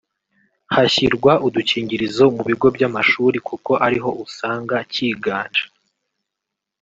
hashyirwa udukingirizo mu bigo by’amashuri kuko ari ho usanga cyiganje